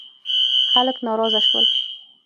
خلک ناراضه شول.